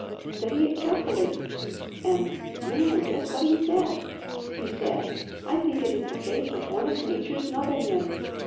Study it carefully,' and, Man, only guess what he said! He said, 'I think it is the face of one of nature's noblemen.'